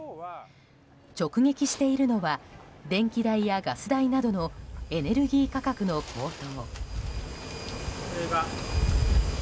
直撃しているのは電気代やガス代などのエネルギー価格の高騰。